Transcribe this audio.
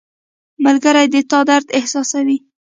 • ملګری د تا درد احساسوي.